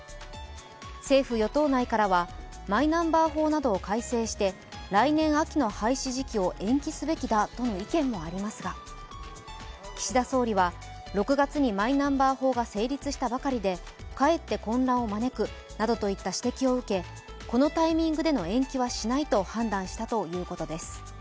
政府・与党内からはマイナンバー法などを改正して来年秋の廃止時期を延期すべきだとの意見もありますが岸田総理は、６月にマイナンバー法が成立したばかりでかえって混乱を招くなどといった指摘を受けこのタイミングでの延期はしないと判断したということです。